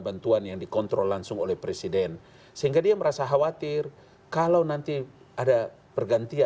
bagaimana dengan kekhawatiran tadi